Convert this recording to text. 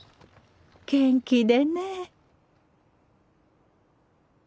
元気でね。